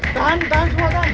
tahan tahan semua tahan